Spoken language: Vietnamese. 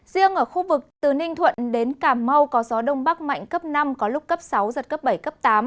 riêng ở khu vực từ ninh thuận đến cà mau có gió đông bắc mạnh cấp năm có lúc cấp sáu giật cấp bảy cấp tám